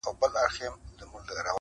o مړی نه ارزي، چي و ارزي کفن څيري٫